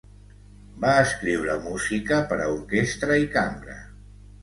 Va escriure música per a orquestra i cambra.